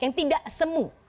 yang tidak semu